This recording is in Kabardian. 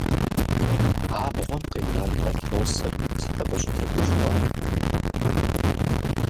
Абгъуэм къина албатросыр сыт абы щӀытегушхуар?